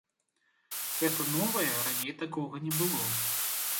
Гэта новае, раней такога не было.